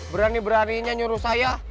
berani beraninya nyuruh saya